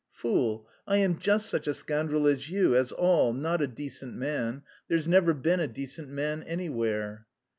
"Fool, I am just such a scoundrel as you, as all, not a decent man. There's never been a decent man anywhere."